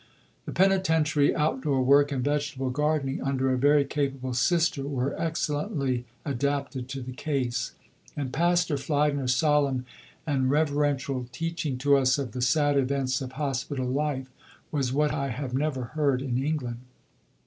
The penitentiary out door work and vegetable gardening under a very capable Sister were excellently adapted to the case. And Pastor Fliedner's solemn and reverential teaching to us of the sad events of hospital life was what I have never heard in England."